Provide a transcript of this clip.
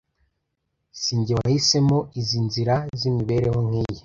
sinjye wahisemo izi nzira z’imibereho nkiyi